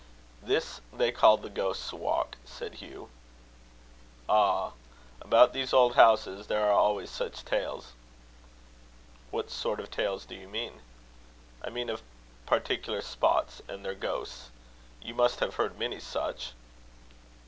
"This they call the Ghost's Walk," said Hugh. "Ah! about these old houses there are always such tales." "What sort of tales do you mean?" "I mean of particular spots and their ghosts. You must have heard many such?"